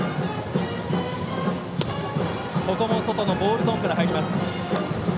ここも外のボールゾーンから入ります。